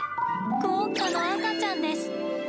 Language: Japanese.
クオッカの赤ちゃんです。